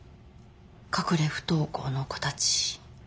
隠れ不登校の子たち。